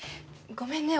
ごめんね。